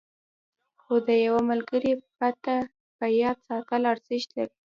خو د یوه ملګري پته په یاد ساتل ارزښت لري.